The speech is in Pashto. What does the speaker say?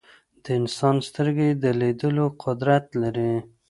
د انسان سترګې د لیدلو قدرت لري.